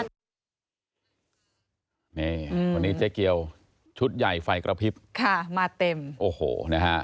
นี่คนนี้เจ๊เกียวชุดใหญ่ไฟกระพริบค่ะมาเต็มโอ้โหนะฮะ